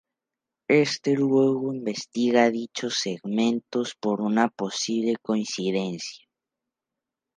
Este luego investiga dichos segmentos por una posible coincidencia.